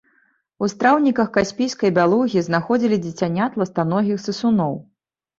У страўніках каспійскай бялугі знаходзілі дзіцянят ластаногіх сысуноў.